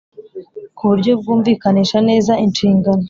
ku buryo bwumvikanisha neza inshingano,